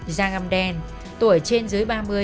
da ngâm đen tuổi trên dưới ba mươi